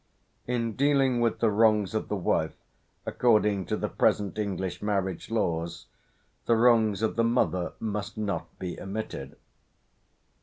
In dealing with the wrongs of the wife, according to the present English marriage laws, the wrongs of the mother must not be omitted.